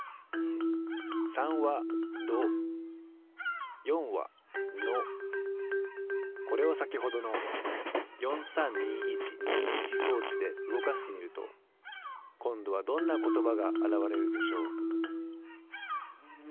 ３は「ど」４は「の」これをさきほどの４３２１２１装置でうごかしてみるとこんどはどんなことばがあらわれるでしょう？